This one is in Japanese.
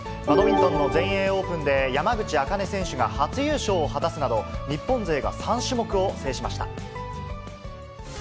バドミントンの全英オープンで山口茜選手が初優勝を果たすなど、日本勢が３種目を制しました。